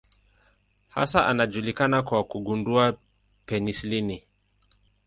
Hasa anajulikana kwa kugundua penisilini.